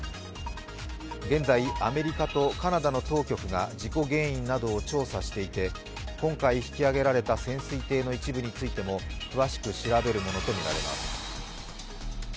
現在、アメリカとカナダの当局が事故原因などを調査していて今回引き揚げられた潜水艇の一部についても詳しく調べるものとみられます。